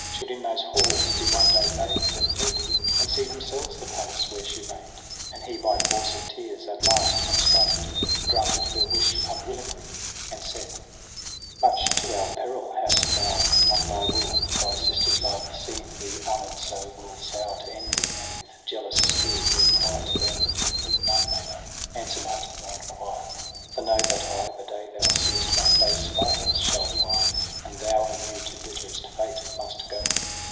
Should in those halls be one day bathed and ted. And see themselves the palace where she reign'd. And he by force of tears at last constrain'd, Granted her wish unwilUngly, and said : MAY 107 30 ' Much to our peril hast thou won thy will ; Thy sisters' love, seeing thee honour'd so, Will sour to envy, and with jealous skill Will pry to learn the thing that none may know. Answer not, nor inquire ; for know that I The day thou seest my face far hence shall fly. And thou anew to bitterest fate must go.'